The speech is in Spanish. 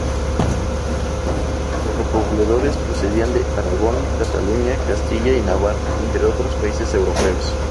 Los repobladores procedían de Aragón, Cataluña, Castilla, Navarra y de otros países europeos.